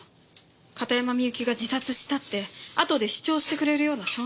片山みゆきが自殺したってあとで主張してくれるような証人。